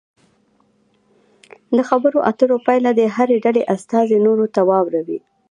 د خبرو اترو پایله دې د هرې ډلې استازي نورو ته واوروي.